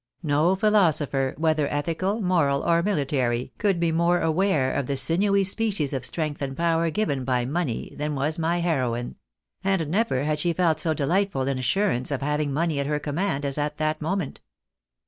No philosopher, whether ethical, moral, or military, could be more aware of the sinewy species of strength and power given by money, than was my heroine ; and never had she felt so delightful an assurance of having money at her command as at that moment.